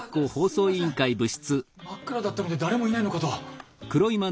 真っ暗だったので誰もいないのかと。